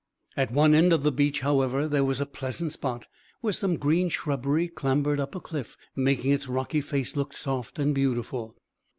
At one end of the beach, however, there was a pleasant spot, where some green shrubbery clambered up a cliff, making its rocky face look soft and beautiful.